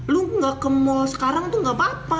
lu nggak ke mall sekarang tuh nggak apa apa